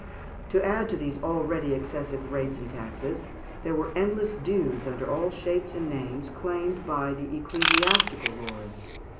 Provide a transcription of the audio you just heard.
] To add to these already excessive rates and taxes, there were endless dues, under all shapes and names, claimed by the ecclesiastical lords (Figs.